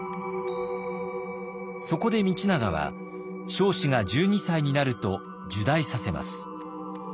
そこで道長は彰子が１２歳になると入内させます。